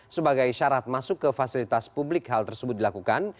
sebagai syarat masuk ke fasilitas publik hal tersebut dilakukan